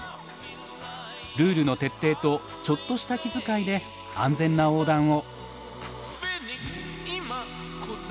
ルールの徹底とちょっとした気遣いで安全な横断を。